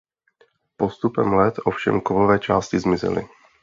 Postupem let ovšem kovové části zmizely.